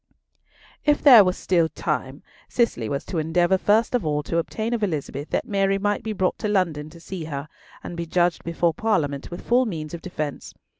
If there still was time, Cicely was to endeavour first of all to obtain of Elizabeth that Mary might be brought to London to see her, and be judged before Parliament with full means of defence.